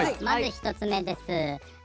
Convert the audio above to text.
まず１つ目です。